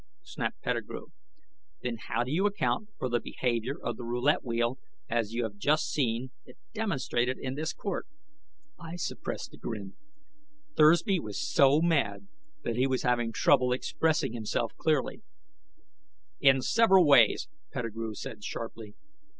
snapped Pettigrew. "Then how do you account for the behavior of the roulette wheel as you have just seen it demonstrated in this court?" I suppressed a grin. Thursby was so mad that he was having trouble expressing himself clearly. "In several ways!" Pettigrew said sharply.